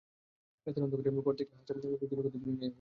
রাইতের অন্ধকারে খোঁয়াড় থেইক্যা হাঁস, মুরগি চুরি করতে জুড়ি নাই ওইগুলির।